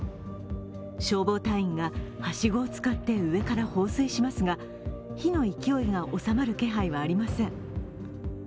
消防隊員がはしごを使って上から放水しますが火の勢いが収まる気配はありません。